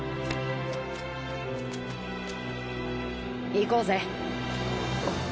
行こうぜ。